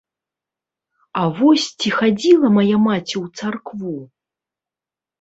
А вось ці хадзіла мая маці ў царкву?